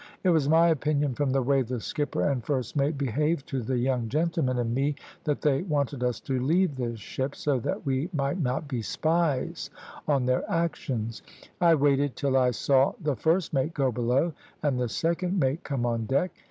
It was my opinion, from the way the skipper and first mate behaved to the young gentlemen and me, that they wanted us to leave the ship, so that we might not be spies on their actions. I waited till I saw the first mate go below and the second mate come on deck.